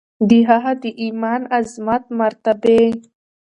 د هغه د ایمان، عظمت، مرتبې